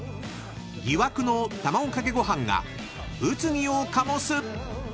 ［疑惑のたまごかけごはんが物議を醸す！］